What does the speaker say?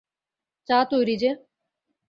চা তৈরি যে।